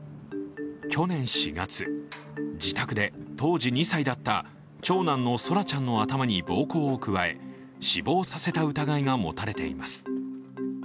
去年４月、自宅で当時２歳だった長男の空来ちゃんの頭に暴行を加え、死亡させた疑いが持たれています。